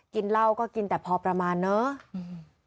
กินเหล้าก็กินแต่พอประมาณเนาะ